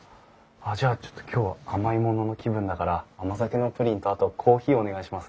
あっじゃあちょっと今日は甘いものの気分だから甘酒のプリンとあとコーヒーお願いします。